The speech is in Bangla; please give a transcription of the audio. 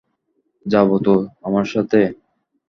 যাবো তো আমার সাথে?